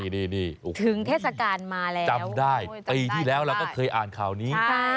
นี่ถึงเทศกาลมาแล้วจำได้ปีที่แล้วเราก็เคยอ่านข่าวนี้